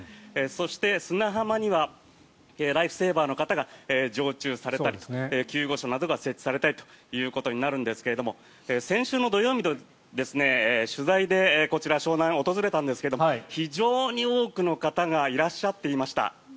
そして、砂浜にはライフセーバーの方が常駐されたり、救護所などが設置されたりということになるんですが先週の土曜日に取材でこちらの湘南に訪れたんですが非常に多くの方がいらっしゃっていました。